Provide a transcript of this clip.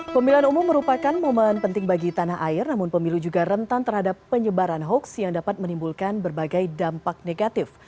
pemilihan umum merupakan momen penting bagi tanah air namun pemilu juga rentan terhadap penyebaran hoax yang dapat menimbulkan berbagai dampak negatif